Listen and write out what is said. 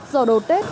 do đầu tết